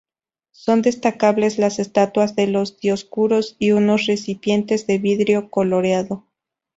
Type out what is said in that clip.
Son destacables las estatuas de los Dioscuros y unos recipientes de vidrio coloreado.